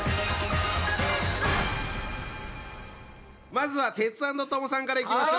まずはテツａｎｄトモさんからいきましょう！